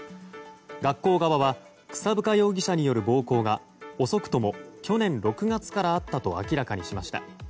学校側は草深容疑者による暴行が遅くとも去年６月からあったと明らかにしました。